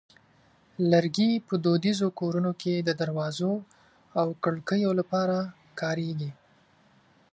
لرګی په دودیزو کورونو کې د دروازو او کړکیو لپاره کارېږي.